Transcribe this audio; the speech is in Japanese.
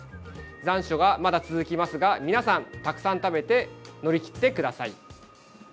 残暑が、まだ続きますが皆さん、たくさん食べて乗り切ってください。